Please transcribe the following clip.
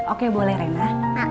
oke boleh rena